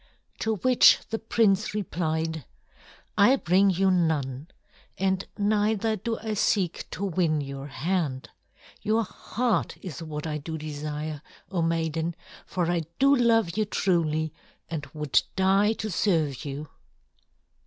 To which the prince replied, "I bring you none, and neither do I seek to win your hand. Your heart is what I do desire, O Maiden, for I do love you truly and would die to serve you.